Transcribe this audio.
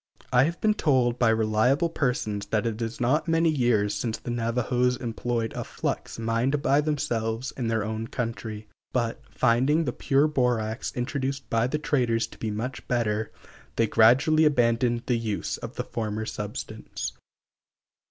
I have been told by reliable persons that it is not many years since the Navajos employed a flux mined by themselves in their own country; but, finding the pure borax introduced by the traders to be much better, they gradually abandoned the use of the former substance.